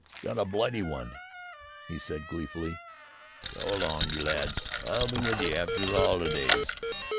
"Got a Blightey one," he said gleefully. "So long you lads! I'll be with you again arter the 'olidays."